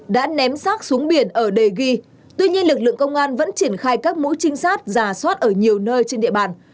đã ném sát xuống biển ở đề ghi tuy nhiên lực lượng công an vẫn triển khai các mũi trinh sát giả soát ở nhiều nơi trên địa bàn